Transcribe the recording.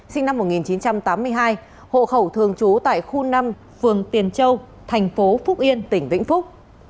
sinh năm một nghìn chín trăm tám mươi hai hộ khẩu thường trú tại khu năm phường tiền châu tp hcm tỉnh vĩnh phúc